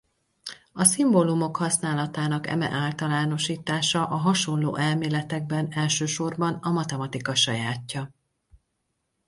A szimbólumok használatának eme általánosítása a hasonló elméletekben elsősorban a matematika sajátja.